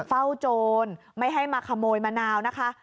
โจรไม่ให้มาขโมยมะนาวนะคะ